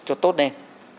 cho tốt lên